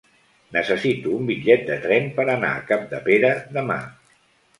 Necessito un bitllet de tren per anar a Capdepera demà.